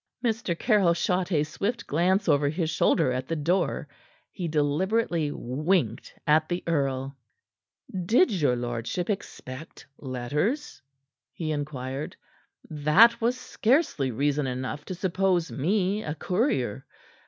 Mr. Caryll shot a swift glance over his shoulder at the door. He deliberately winked at the earl. "Did your lordship expect letters?" he inquired. "That was scarcely reason enough to suppose me a courier.